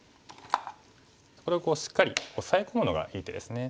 これをこうしっかりオサエ込むのがいい手ですね。